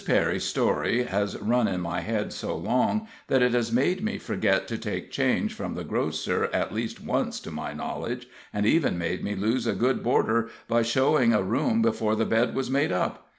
Perry's story has run in my head so long, that it has made me forget to take change from the grocer at least once to my knowledge, and even made me lose a good boarder, by showing a room before the bed was made up.